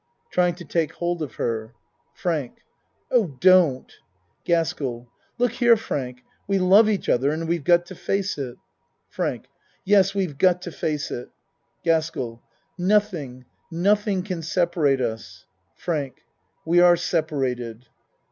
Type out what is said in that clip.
(Trying to take hold of her.) FRANK Oh, don't. GASKELL Look here, Frank, we love each oth er, and we've got to face it. FRANK Yes, we've got to face it. GASKELL Nothing nothing can separate us. FRANK We are separated.